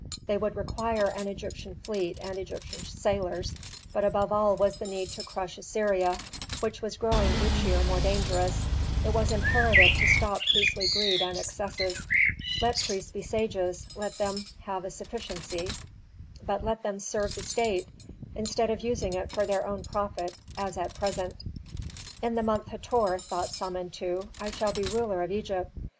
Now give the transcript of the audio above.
They would require an Egyptian fleet and Egyptian sailors. But above all was the need to crush Assyria, which was growing each year more dangerous. It was imperative to stop priestly greed and excesses. Let priests be sages, let them have a sufficiency, but let them serve the state instead of using it for their own profit as at present. "In the month Hator," thought Samentu, "I shall be ruler of Egypt!